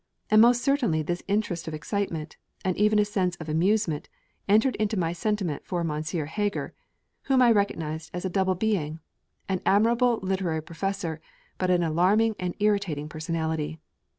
And most certainly this interest of excitement, and even of a sense of amusement, entered into my sentiment for M. Heger, whom I recognised as a double being, an admirable literary Professor, but an alarming and irritating personality.